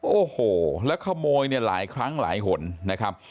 โอ้โหแล้วขโมยเนี่ยหลายครั้งหลายหนนะครับ